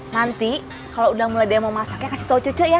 nanti kalau udah mulai demo masaknya kasih tau cece ya